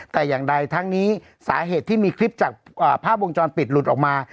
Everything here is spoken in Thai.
แต่อย่างใดทั้งนี้สาเหตุที่มีคลิปจากภาพวงจรปิดหลุดออกมา